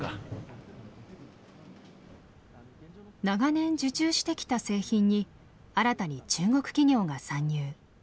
長年受注してきた製品に新たに中国企業が参入。